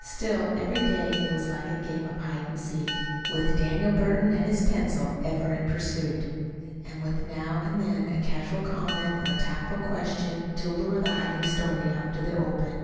Still, every day it was like a game of hide and seek, with Daniel Burton and his pencil ever in pursuit, and with now and then a casual comment or a tactful question to lure the hiding story out into the open.